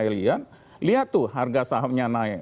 lihat tuh harga sahamnya naik